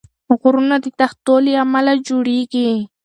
غرونه د تختو له امله جوړېږي.